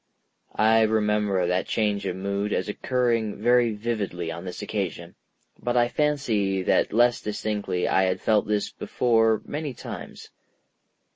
I remember that change of mood as occurring very vividly on this occasion, but I fancy that less distinctly I had felt this before many times.